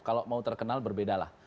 kalau mau terkenal berbeda lah